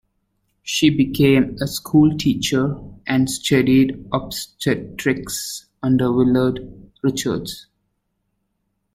She became a school teacher and studied obstetrics under Willard Richards.